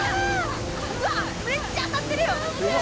うわっめっちゃ当たってるよ。